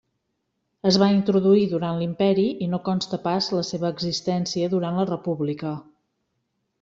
Es va introduir durant l'Imperi i no consta pas la seva existència durant la república.